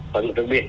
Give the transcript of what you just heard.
có một đường biển